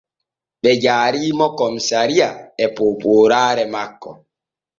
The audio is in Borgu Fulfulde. Ɓe jaari mo komisariya e poopooraare makko.